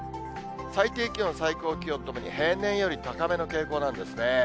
最低気温、最高気温ともに、平年より高めの傾向なんですね。